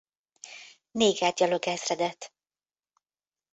Néger gyalogezredet.